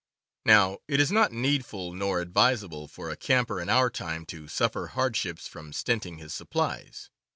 Now it is not needful nor advisable for a camper in our time to suffer hardships from stinting his supplies.